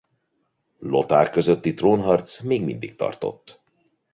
Lothár közötti trónharc még mindig tartott.